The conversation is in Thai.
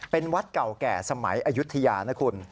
เป็นวัดเก่าแก่สมัยอายุทยานะคุณ